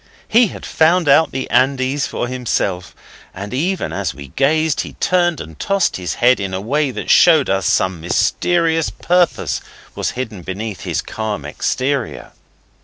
He had found out his Andes for himself, and even as we gazed he turned and tossed his head in a way that showed us some mysterious purpose was hidden beneath his calm exterior.